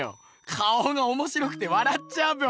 顔がおもしろくてわらっちゃうっぺよ。